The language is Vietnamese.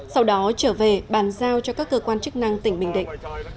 sau đó trở về bàn giao cho các cơ quan chức năng tỉnh bình định